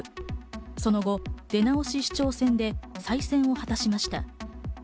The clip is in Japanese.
その後、出直し市長選で再選を果たしました。